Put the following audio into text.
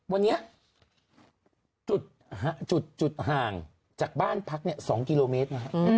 วันนี้จุดห่างจากบ้านพัก๒กิโลเมตรนะฮะ